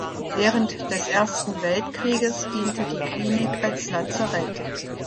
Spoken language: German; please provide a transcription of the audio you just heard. Während des Ersten Weltkrieges diente die Klinik als Lazarett.